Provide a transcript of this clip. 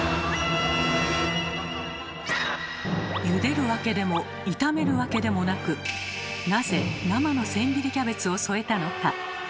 ゆでるわけでも炒めるわけでもなくなぜ生の千切りキャベツを添えたのか。